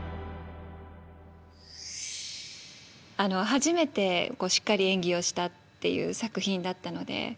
初めてしっかり演技をしたっていう作品だったので。